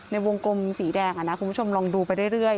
ในวงกลมสีแดงคุณผู้ชมลองดูไปเรื่อย